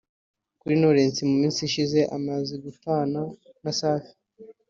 Kuri Knowless mu minsi ishize amaze gutana na Safi